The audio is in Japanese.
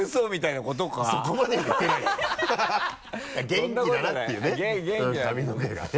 元気だなっていうね髪の毛がね。